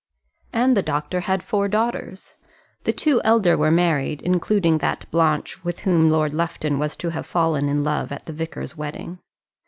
And the doctor had four daughters. The two elder were married, including that Blanche with whom Lord Lufton was to have fallen in love at the vicar's wedding.